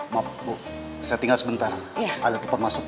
maaf bu saya tinggal sebentar ada tempat masuk